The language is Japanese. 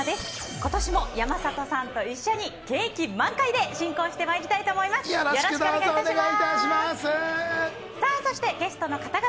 今年も山里さんと一緒に景気満開で進行してまいりたいと思います。